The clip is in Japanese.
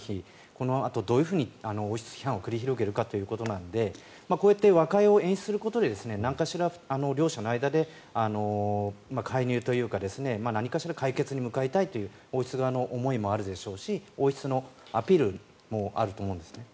このあとどういうふうに王室批判を繰り広げるかということなので和解を演出することで両者の間で介入というか何かしら解決に向かいたいという王室側の思いもあるでしょうし王室のアピールもあると思うんですね。